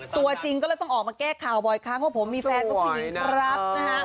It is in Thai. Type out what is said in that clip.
ตัวจริงก็เลยต้องออกมาแกล้กคาวบอยค่ะเพราะผมมีแฟนตัวจริงครับ